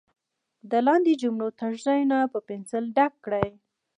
د لاندې جملو تش ځایونه په پنسل ډک کړئ.